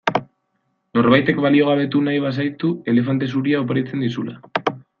Norbaitek baliogabetu nahi bazaitu elefante zuria oparitzen dizula.